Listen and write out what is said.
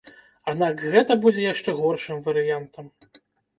Аднак гэта будзе яшчэ горшым варыянтам.